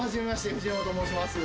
藤山と申します。